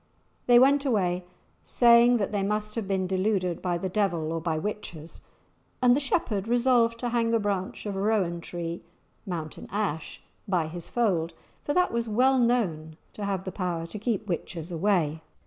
They went away saying that they must have been deluded by the devil or by witches; and the shepherd resolved to hang a branch of rowan tree (mountain ash) by his fold, for that was well known to have the power to keep witches away.